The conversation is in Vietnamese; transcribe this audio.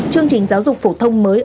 chương trình giáo dục phổ thông mới